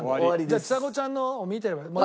じゃあちさ子ちゃんのを見てればいい。